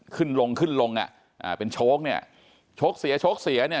ขึ้นลงขึ้นลงอ่ะอ่าเป็นโชคเนี่ยโชคเสียโชคเสียเนี่ย